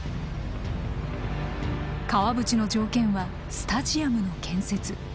川淵の条件はスタジアムの建設。